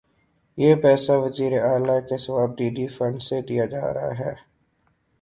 یہ پیسہ وزیر اعلی کے صوابدیدی فنڈ سے دیا جا رہا ہے۔